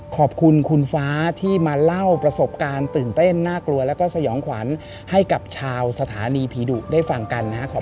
ขอบคุณคุณฟ้าที่มาเล่าประสบการณ์ตื่นเต้นน่ากลัวแล้วก็สยองขวัญให้กับชาวสถานีผีดุได้ฟังกันนะครับ